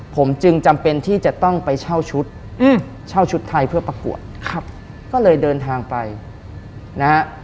ผมจึงจำเป็นที่จะต้องไปเช่าชุดอืมเช่าชุดไทยเพื่อประกวดครับก็เลยเดินทางไปนะฮะ